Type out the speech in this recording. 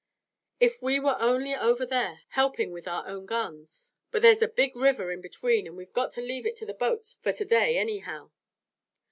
"If we were only over there, helping with our own guns." "But there's a big river in between, and we've got to leave it to the boats for to day, anyhow."